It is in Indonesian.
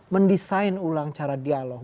mendesain ulang cara dialog